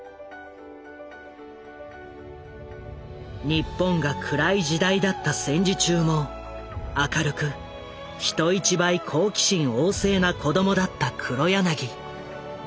日本が暗い時代だった戦時中も明るく人一倍好奇心旺盛な子供だった黒柳。